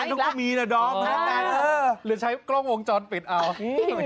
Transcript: มีคนถ่ายอีกแล้วหรือใช้กล้องวงจรปิดเอ้าไม่ได้